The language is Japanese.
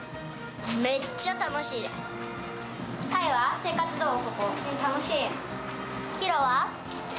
めっちゃ楽しいです。